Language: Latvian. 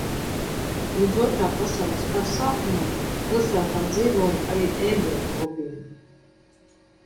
Līdz Otrā pasaules kara sākumam pilsētā dzīvoja arī ebreju kopiena.